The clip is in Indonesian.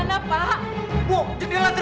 saya akan menunggu